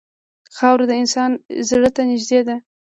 خاوره د انسان زړه ته نږدې ده.